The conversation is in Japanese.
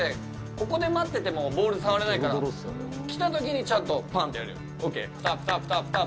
ここで待っててもボール触れないから来たときにちゃんとパンってやるように。